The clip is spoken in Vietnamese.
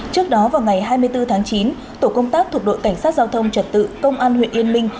trước đó vào ngày hai mươi bốn tháng chín tổ công tác thuộc đội cảnh sát giao thông trật tự công an huyện yên minh